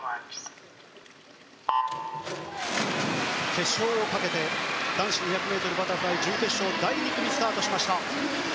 決勝をかけて男子２００ｍバタフライ準決勝第２組がスタートしました。